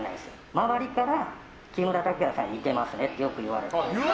周りから木村拓哉さんに似てますねってよく言われて。